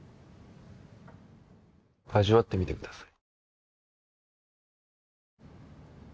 味わってみてください